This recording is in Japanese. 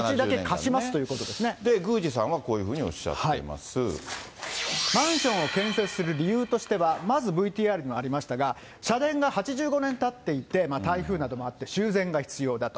土地だけ貸しますということで、宮司さんはこういうふうマンションを建設する理由としては、まずＶＴＲにもありましたが、社殿が８５年たっていて、台風などもあって修繕が必要だと。